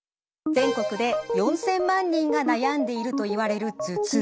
全国で４，０００万人が悩んでいるといわれる頭痛。